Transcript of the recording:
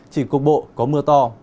chỉ cục bộ có mưa to